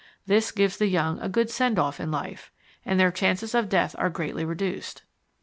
This gives the young a good send off in life, and their chances of death are greatly reduced.